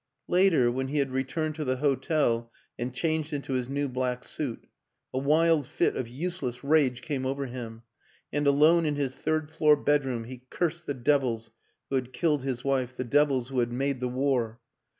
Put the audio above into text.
Later, when he had returned to the hotel and changed into his new black suit, a wild fit of use less rage came over him and alone in his third floor bedroom he cursed the devils who had killed his wife, the devils who had made the war.